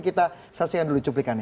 kita saksikan dulu cuplikannya